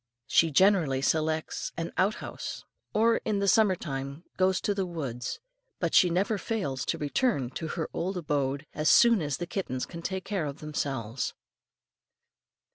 She generally selects an out house, or in the summer time goes to the woods, but she never fails to return to her old abode, as soon as the kittens can take care of themselves.